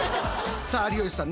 さあ有吉さん